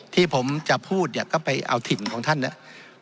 ที่ผมจะพูดเนี่ยก็ไปเอาถิ่นของท่านเนี่ย